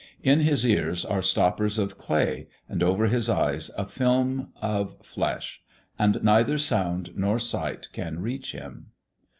In his ears are stoppers of clay and over his eyes is a film of flesh, and neither sound nor sight can reach him.